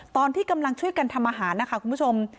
ตอนที่กำลังช่วยกันทำอาหารนะคะคุณผู้ชม